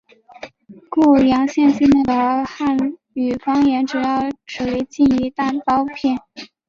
固阳县境内的汉语方言主要属于晋语大包片。